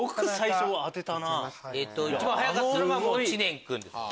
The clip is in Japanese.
一番早かったのが知念君ですね。